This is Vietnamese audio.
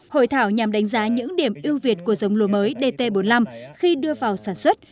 hội thảo nhằm đánh giá những điểm ưu việt của giống lúa mới dt bốn mươi năm khi đưa vào sản xuất